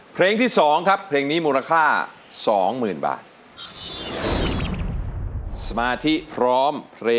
โปรดติดตามันที่๓นสวัสดีครับ